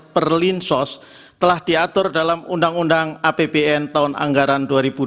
perlinsos telah diatur dalam undang undang apbn tahun anggaran dua ribu dua puluh